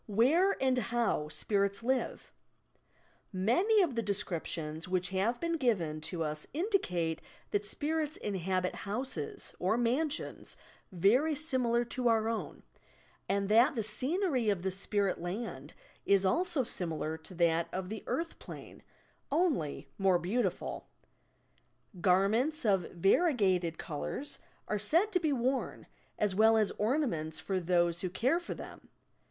WHERE AND HOW SPIRITS LIVE Many of the descriptions which have been given to us indicate that spirits inhabit houses or "mansions" very similar to our own, and that the scenery of the spirit land is also similar to that of the earth plane, ^nly more beautiful. '' Garments '' of variegated colours are said to be worn, as well as ornaments for those who care for them.